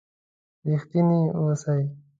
رښتيني و اوسئ!